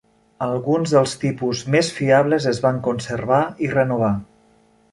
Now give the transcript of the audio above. Alguns dels tipus més fiables es van conservar i renovar.